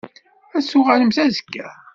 Ad d-tuɣalemt azekka?